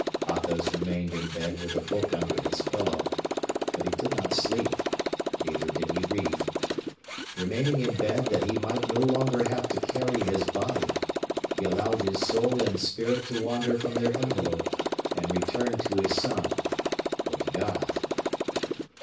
Athos remained in bed with a book under his pillow but he did not sleep, neither did he read. Remaining in bed that he might no longer have to carry his body, he allowed his soul and spirit to wander from their envelope and return to his son, or to God.